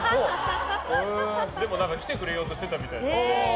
でも来てくれようとしてたみたい。